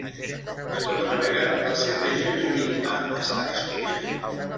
De tota manera, la seva genuïnitat està discutida.